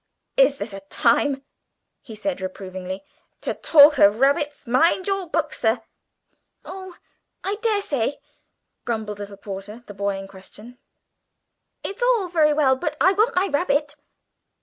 "Is this a time," he said reprovingly, "to talk of rabbits? Mind your book, sir." "Oh, I daresay," grumbled little Porter, the boy in question: "it's all very well, but I want my rabbit."